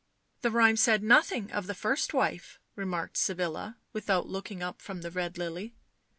" The rhyme said nothing of the first wife," remarked Sybilla, without looking up from the red lily.